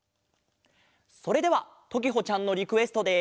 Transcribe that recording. それではときほちゃんのリクエストで。